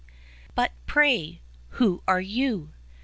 UT pray, who are you?"